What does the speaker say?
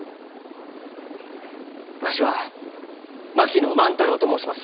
わしは槙野万太郎と申します。